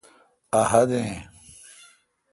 اؘ حد اؘئ۔